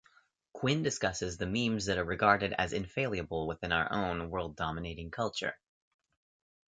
Quinn discusses the memes that are regarded as infallible within our own, world-dominating culture.